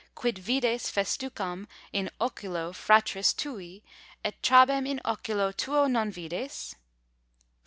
Quid vides festucam in OCULO fratris tui, et trabem in OCULO tuo non vides? Ver.